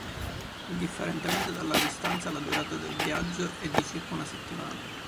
Indifferentemente dalla distanza la durata del viaggio è di circa una settimana.